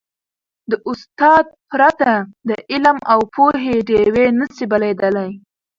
د استاد پرته، د علم او پوهې ډېوي نه سي بلېدلی.